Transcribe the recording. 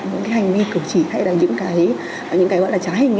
những hành vi cử chỉ hay là những cái gọi là trái hình